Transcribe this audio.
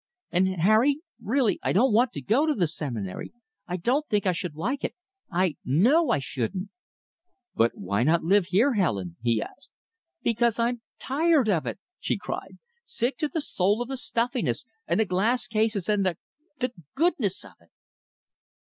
And Harry, really I don't want to go to the Seminary. I don't think I should like it. I KNOW I shouldn't." "But why not live here, Helen?" he asked. "Because I'm TIRED of it!" she cried; "sick to the soul of the stuffiness, and the glass cases, and the the GOODNESS of it!"